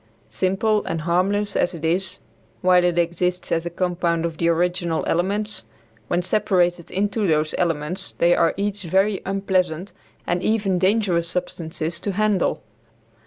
Simple and harmless as it is, while it exists as a compound of the original elements, when separated into those elements they are each very unpleasant and even dangerous substances to handle.